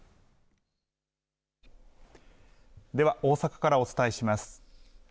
では大阪からお伝えします。